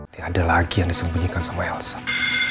tiada lagi yang disembunyikan sama elson